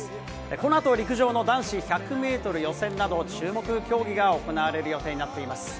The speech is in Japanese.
このあと陸上の男子１００メートル予選など、注目競技が行われる予定になっています。